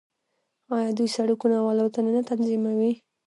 آیا دوی سړکونه او الوتنې نه تنظیموي؟